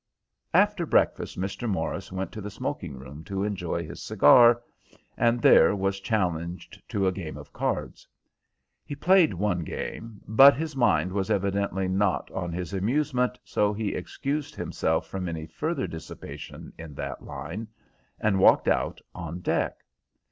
After breakfast Mr. Morris went to the smoking room to enjoy his cigar, and there was challenged to a game of cards. He played one game; but his mind was evidently not on his amusement, so he excused himself from any further dissipation in that line, and walked out on deck.